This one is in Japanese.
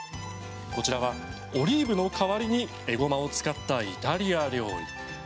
こちらは、オリーブの代わりにえごまを使ったイタリア料理。